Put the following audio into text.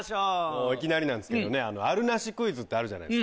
もういきなりなんですけどねあるなしクイズってあるじゃないですか。